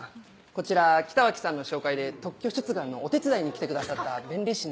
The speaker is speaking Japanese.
こちら北脇さんの紹介で特許出願のお手伝いに来てくださった弁理士の。